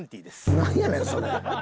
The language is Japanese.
なんやねんそれ。